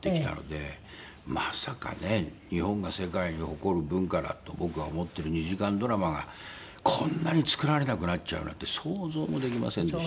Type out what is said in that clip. まさかね日本が世界に誇る文化だと僕は思ってる２時間ドラマがこんなに作られなくなっちゃうなんて想像もできませんでした。